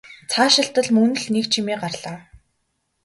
Цаашилтал мөн л нэг чимээ гарлаа.